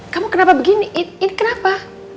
kamu kenapa begini it kenapa